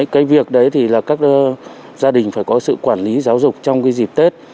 cái việc đấy thì là các gia đình phải có sự quản lý giáo dục trong cái dịp tết